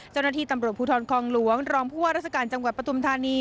เจ้าหน้าที่ตำรวจภูทรคองหลวงรองผู้ว่าราชการจังหวัดปฐุมธานี